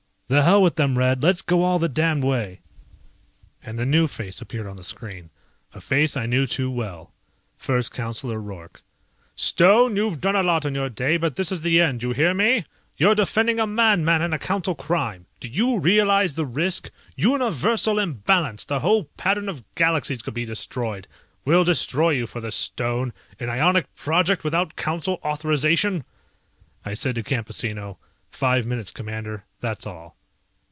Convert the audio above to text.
"The hell with them, Red, let's go all the damned way!" And a new face appeared on the screen. A face I knew too well. First Councillor Roark. "Stone! You've done a lot in your day but this is the end, you hear me? You're defending a madman in a Council crime. Do you realize the risk? Universal imbalance! The whole pattern of galaxies could be destroyed! We'll destroy you for this, Stone. An ionic project without Council authorization." I said to Campesino, "Five minutes, Commander. That's all."